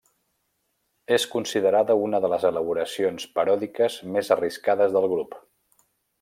És considerada una de les elaboracions paròdiques més arriscades del grup.